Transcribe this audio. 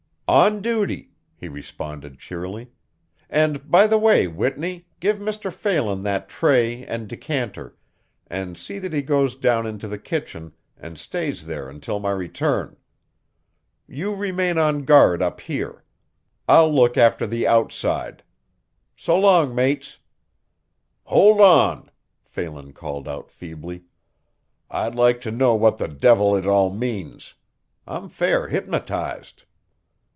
"On duty," he responded cheerily. "And by the way, Whitney, give Mr. Phelan that tray and decanter and see that he goes down into the kitchen and stays there until my return. You remain on guard up here. I'll look after the outside. So long, mates." "Hold on," Phelan called out feebly. "I'd like to know what the divvil it all means. I'm fair hypnotized."